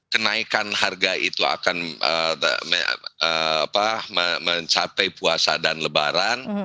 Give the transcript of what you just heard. kenaikan harga itu akan mencapai puasa dan lebaran